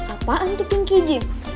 apaan tuh pinky jun